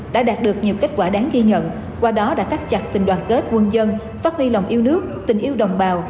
đã đạt được nhiều kết quả đáng ghi nhận qua đó đã thắt chặt tình đoàn kết quân dân phát huy lòng yêu nước tình yêu đồng bào